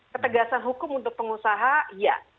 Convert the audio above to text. ketegasan hukum untuk pengusaha iya